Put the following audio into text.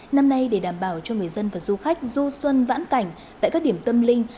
năm nay để đảm bảo cho người dân và du khách du xuân vãn cảnh tại các điểm tâm linh